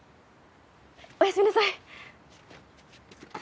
おやすみなさい。